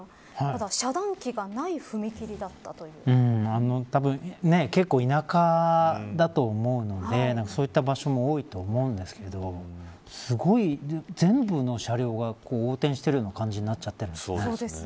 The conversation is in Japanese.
ただ、遮断機がないたぶん結構田舎だと思うのでそういった場所も多いと思うんですけど全部の車両が横転してるような感じになっちゃってるんですね。